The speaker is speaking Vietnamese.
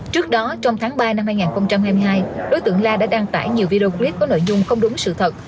trước đó trong tháng ba năm hai nghìn hai mươi hai đối tượng la đã đăng tải nhiều video clip có nội dung không đúng sự thật